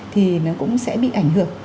thì nó cũng sẽ bị ảnh hưởng